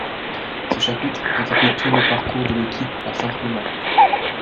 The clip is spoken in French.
Ce chapitre récapitule le parcours de l’équipe en championnat.